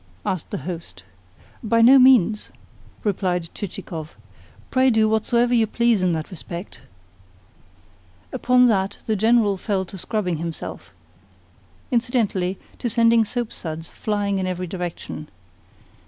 asked the host. "By no means," replied Chichikov. "Pray do whatsoever you please in that respect." Upon that the General fell to scrubbing himself incidentally, to sending soapsuds flying in every direction.